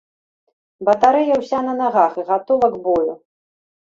Батарэя ўся на нагах і гатова к бою.